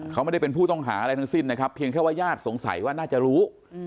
เขาไม่ได้เป็นผู้ต้องหาอะไรทั้งสิ้นนะครับเพียงแค่ว่าญาติสงสัยว่าน่าจะรู้